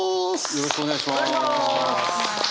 よろしくお願いします。